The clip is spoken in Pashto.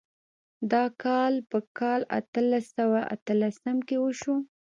دا کار په کال اتلس سوه اتلسم کې وشو.